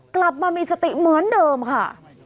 กลับมามีสติเหมือนเดิมค่ะ